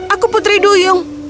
aku putri duyung